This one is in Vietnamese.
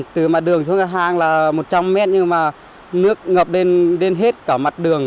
từ mặt đường xuống hàng là một trăm linh mét nhưng mà nước ngập lên hết cả mặt đường